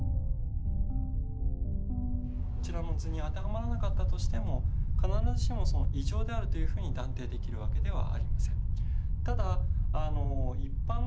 こちらの図に当てはまらなかったとしても必ずしも異常であるというふうに断定できるわけではありません。